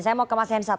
saya mau ke mas hensat